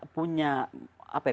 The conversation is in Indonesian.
punya apa ya